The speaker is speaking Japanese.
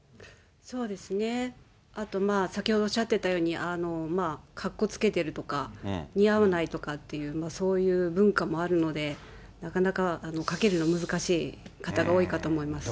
あとまあ、先ほどおっしゃっていたように、かっこつけてるとか、似合わないとかっていう、そういう文化もあるので、なかなかかけるの難しい方が多いかと思います。